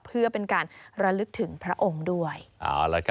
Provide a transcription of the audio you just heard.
เพื่อเป็นการระลึกถึงพระองค์ด้วย